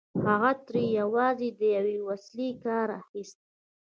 هغه ترې یوازې د یوې وسيلې کار اخيست